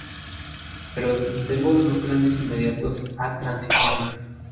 Pero tengo no planes inmediatos a transición.